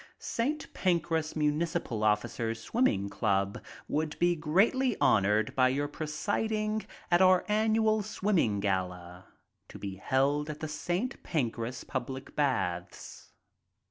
"Saint Pancras Municipal Officers' Swimming Club would be greatly honored by your presiding at our annual swimming gala to be held at the St. Pancras public baths."